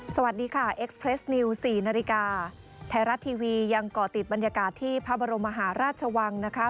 สวัสดีค่ะเอ็กซ์เรสนิวสี่นาฬิกาไทยรัฐทีวียังก่อติดบรรยากาศที่พระบรมมหาราชวังนะคะ